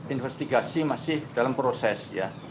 investigasi masih dalam proses ya